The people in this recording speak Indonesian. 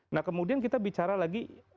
nah kemudian kita bicara lagi